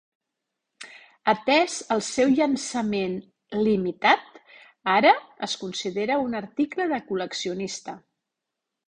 Atès el seu llançament limitat, ara es considera un article de col·leccionista.